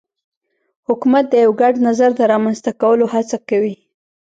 حکومت د یو ګډ نظر د رامنځته کولو هڅه کوي